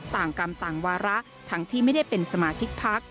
ต่างกรรมต่างวาระทั้งที่ไม่ได้เป็นสมาชิกพัก